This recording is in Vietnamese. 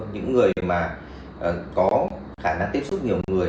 những người mà có khả năng tiếp xúc nhiều người